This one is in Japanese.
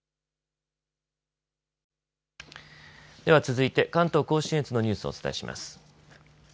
では続いて関東甲信越のニュースをお伝えします。